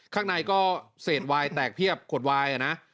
ข้างในก็เศษวายแตกเพียบขวดวายนะ